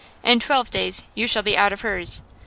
In twelve days you shall be out of hers!"